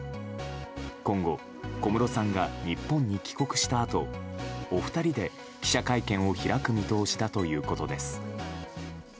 今後、小室さんが日本に帰国したあとお二人で記者会見を開く見通しだということです。